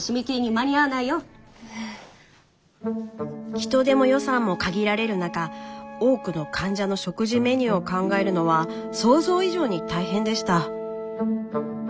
人手も予算も限られる中多くの患者の食事メニューを考えるのは想像以上に大変でした。